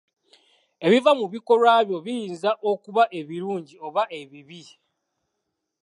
Ebiva mu bikolwa byo biyinza okuba ebirungi oba ebibi.